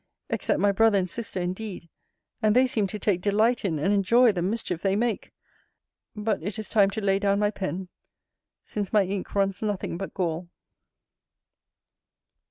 Except my brother and sister, indeed and they seem to take delight in and enjoy the mischief they make. But it is time to lay down my pen, since my ink runs nothing but gall.